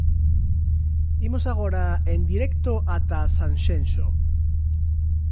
Imos agora en directo ata Sanxenxo.